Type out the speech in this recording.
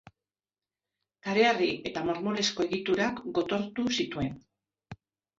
Kareharri eta marmolezko egiturak gotortu zituen.